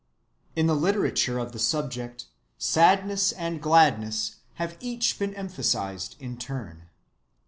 In the literature of the subject, sadness and gladness have each been emphasized in turn.